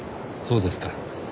そうですか。